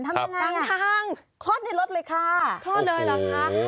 ทำยังไงน่ะคลอดในรถเลยค่ะคลอดเลยเหรอคะ